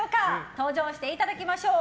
登場していただきましょう。